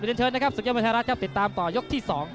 เดินเชิญนะครับศึกยอดมวยไทยรัฐครับติดตามต่อยกที่๒